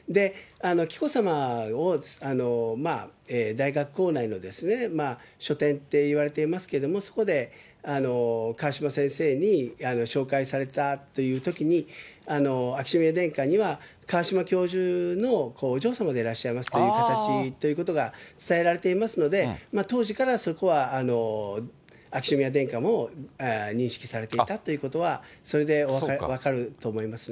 紀子さまを大学構内の書店って言われていますけれども、そこで川嶋先生に紹介されたというときに、秋篠宮殿下には、川嶋教授のお嬢様でいらっしゃいますという形ということが、伝えられていますので、当時からそこは秋篠宮殿下も認識されていたということは、それで分かると思いますね。